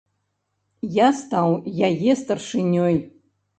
Я стаў яе старшынёй.